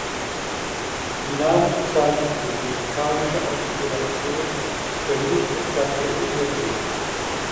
Die Namen und Zeichen für die musikalische Artikulation können nicht exakt definiert werden.